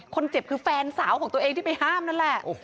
คนเจ็บคือแฟนสาวของตัวเองที่ไปห้ามนั่นแหละ